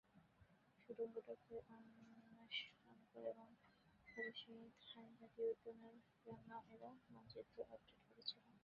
সুড়ঙ্গটাকে অন্বেষণ করে সে থাই জাতীয় উদ্যানের জন্য এর মানচিত্র আপডেট করেছিলো।